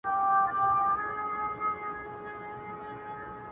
عشق مي خوی عشق مي مسلک عشق مي عمل دی؛